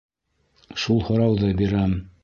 Шул һорауҙы бирәм.